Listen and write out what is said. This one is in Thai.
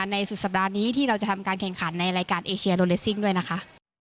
สุดสัปดาห์นี้ที่เราจะทำการแข่งขันในรายการเอเชียโดเลสซิ่งด้วยนะคะ